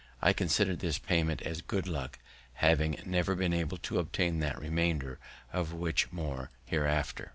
I consider this payment as good luck, having never been able to obtain that remainder, of which more hereafter.